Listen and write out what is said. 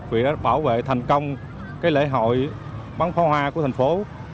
vì đã bảo vệ thành công lễ hội bắn pháo hoa của thành phố